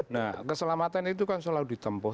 nah keselamatan itu kan selalu ditempuh